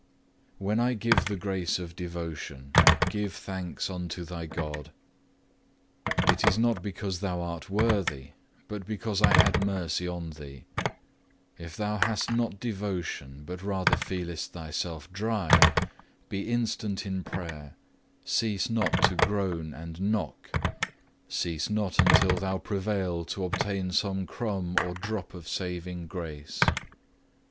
3. When I give the grace of devotion, give thanks unto thy God; it is not because thou art worthy, but because I had mercy on thee. If thou hast not devotion, but rather feelest thyself dry, be instant in prayer, cease not to groan and knock; cease not until thou prevail to obtain some crumb or drop of saving grace.